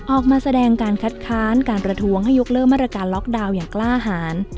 ออกมาแสดงการคัดค้านการประท้วงให้ยกเลิกมาตรการล็อกดาวน์อย่างกล้าหาร